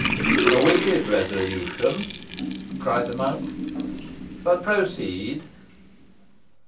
"A wicked resolution," cried the monk; "but proceed."